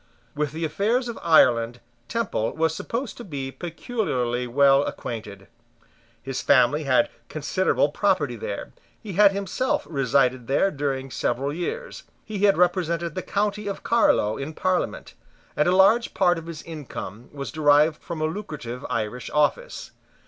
With the affairs of Ireland Temple was supposed to be peculiarly well acquainted. His family had considerable property there: he had himself resided there during several years: he had represented the county of Carlow in parliament; and a large part of his income was derived from a lucrative Irish office.